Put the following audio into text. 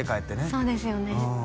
そうですよね